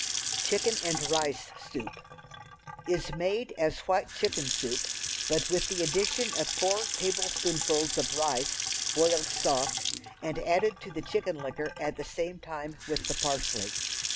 Chicken and Rice Soup Is made as white chicken soup, but with the addition of four tablespoonfuls of rice, boiled soft, and added to the chicken liquor at the same time with the parsley.